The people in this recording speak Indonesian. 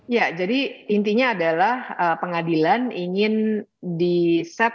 ya jadi intinya adalah pengadilan ingin diset